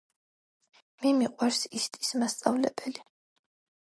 მე მიყვარს ისტის მასწავლებელი.